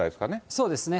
そうですね。